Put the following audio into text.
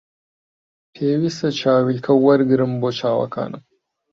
پێویستە چاویلکە وەرگرم بۆ چاوەکانم